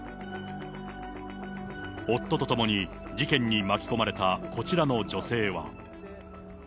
夫と共に、事件に巻き込まれたこちらの女性は。